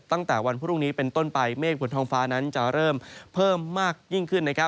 ตั้งแต่วันพรุ่งนี้เป็นต้นไปเมฆบนท้องฟ้านั้นจะเริ่มเพิ่มมากยิ่งขึ้น